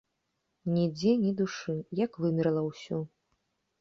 Нідзе ні душы, як вымерла ўсё.